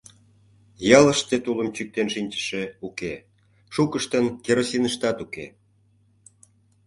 Ялыште тулым чӱктен шинчыше уке, шукыштын керосиныштат уке.